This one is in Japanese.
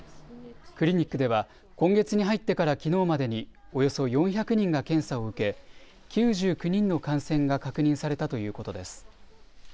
クリニックでは今月に入ってからきのうまでにおよそ４００人が検査を受け９９人の感染が確認されたということです。